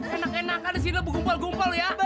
enak enakan sini lu bu gumpal gumpal ya